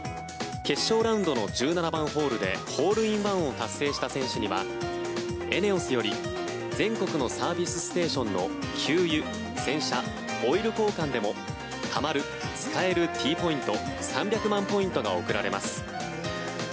決勝ラウンドの１７番ホールでホールインワンを達成した選手にはＥＮＥＯＳより全国のサービスステーションの給油、洗車、オイル交換でもたまる、使える、Ｔポイント３００万ポイントが贈られます。